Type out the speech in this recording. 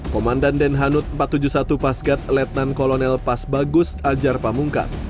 komandan den hanut empat ratus tujuh puluh satu pasgat letnan kolonel pas bagus ajar pamungkas